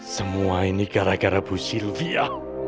semua ini gara gara bu sylvia